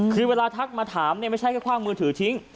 คือเวลาทักมาถามเนี่ยไม่ใช่แค่คว่างมือถือทิ้ง